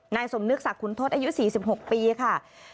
สมนึกศักดิ์ขุนทศอายุ๔๖ปีค่ะ